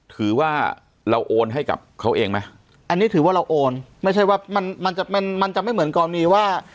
ถือว่าเราโอนให้กับเขาเองไหมอันนี้ถือว่าเราโอนไม่ใช่ว่ามันมันจะไม่เหมือนกรณีว่า